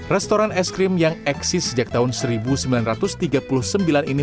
restoran es krim yang eksis sejak tahun seribu sembilan ratus tiga puluh sembilan ini